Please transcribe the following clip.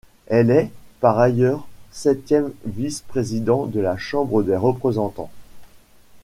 Elle est, par ailleurs, septième vice-président de la Chambre des représentants.